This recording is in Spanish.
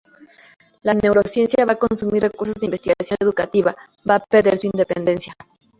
La neurociencia va a consumir recursos la investigación educativa va a perder su independencia.